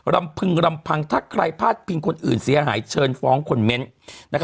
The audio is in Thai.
ำพึงรำพังถ้าใครพาดพิงคนอื่นเสียหายเชิญฟ้องคนเมนต์